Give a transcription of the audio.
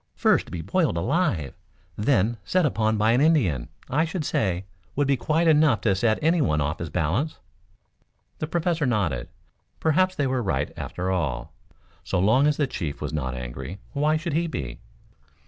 First to be boiled alive, then set upon by an Indian, I should say, would be quite enough to set anyone off his balance." The Professor nodded. Perhaps they were right, after all. So long as the chief was not angry, why should he be?